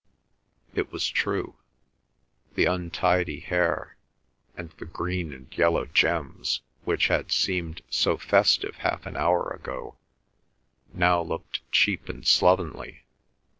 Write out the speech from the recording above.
It was true; the untidy hair, and the green and yellow gems, which had seemed so festive half an hour ago, now looked cheap and slovenly.